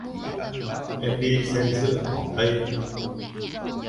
Em đi xen giữa cỏ cây